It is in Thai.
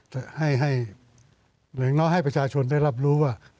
จะให้อย่างน้อยให้ประชาชนได้รับรู้ว่า